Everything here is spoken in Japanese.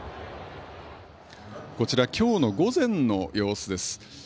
こちら、今日の午前の様子です。